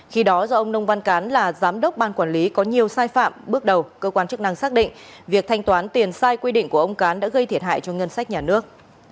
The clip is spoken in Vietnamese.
khi đó do ông nông văn cán là giám đốc ban quản lý có nhiều sai phạm bước đầu cơ quan chức năng xác định việc thanh toán tiền sai quy định của ông cán đã gây thiệt hại cho ngân sách nhà nước